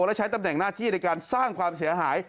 และใช้ตำแหน่งหน้าที่ในการสร้างความเสียหาย